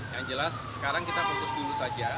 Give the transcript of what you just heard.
yang jelas sekarang kita fokus dulu saja